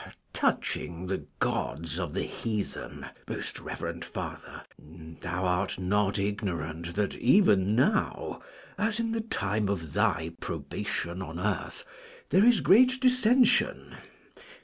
Touching the Gods of the Heathen, most reverend Father, thou art not ignorant that even now, as in the time of thy probation on earth, there is great dissension.